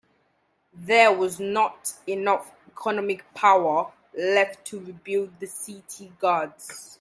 There was not enough economic power left to rebuild the city guards.